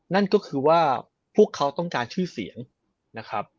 นั่นก็คือว่าพวกเขาต้องการชื่อเสียงนะครับ